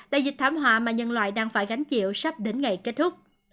mạng mà nhân loại đang phải gánh chịu sắp đến ngày kết thúc